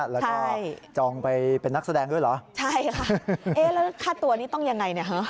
แล้วก็จองไปเป็นนักแสดงด้วยเหรอใช่ค่ะเอ๊ะแล้วค่าตัวนี้ต้องยังไงเนี่ยฮะ